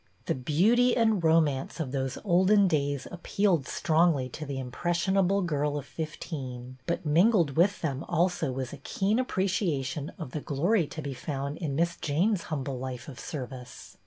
The beauty and romance of those olden days appealed strongly to the impressionable girl of fifteen, but mingled with them also was a keen appreciation of the glory to be found in Miss Jane's humble life of service.